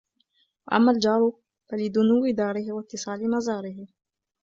وَأَمَّا الْجَارُ فَلِدُنُوِّ دَارِهِ وَاتِّصَالِ مَزَارِهِ